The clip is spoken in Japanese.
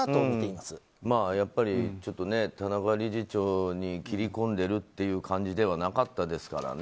まあ、やっぱり田中理事長に切り込んでいるという感じではなかったですからね。